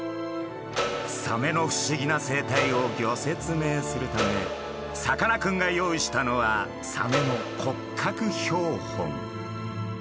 サメの不思議な生態をギョ説明するためさかなクンが用意したのはサメの骨格標本。